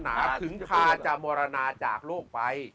นั้นถึงพาจมรนาจากโลกไป